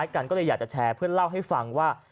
กันก็เลยอยากจะแชร์เพื่อเล่าให้ฟังว่า